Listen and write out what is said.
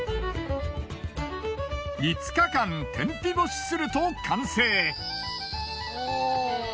５日間天日干しすると完成。